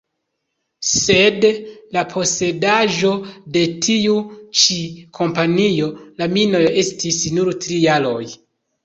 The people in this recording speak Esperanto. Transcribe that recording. Sed la posedaĵo de tiu ĉi kompanio la minejo estis nur tri jaroj.